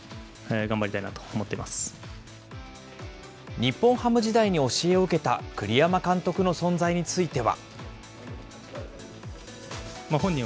日本ハム時代に教えを受けた栗山監督の存在については。